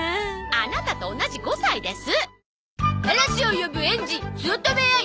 アナタと同じ５歳です！